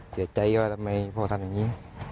เสียใจว่าทำไมพ่อทำอย่างนี้